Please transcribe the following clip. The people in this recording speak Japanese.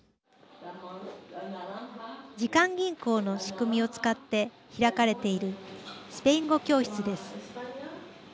時間銀行の仕組みを使って開かれているスペイン語教室です。